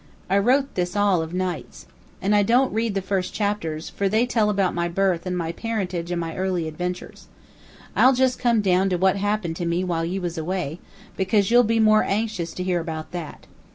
I wrote this all of nights. And I don't read the first chapters, for they tell about my birth and my parentage and my early adventures. I'll just come down to what happened to me while you was away, because you'll be more anxious to hear about that.